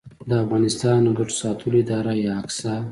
د افغانستان ګټو ساتلو اداره یا اګسا